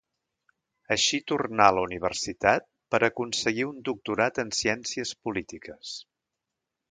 Així tornà a la universitat per aconseguir un Doctorat en Ciències polítiques.